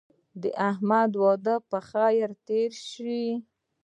د احمد واده په خیر تېر شو.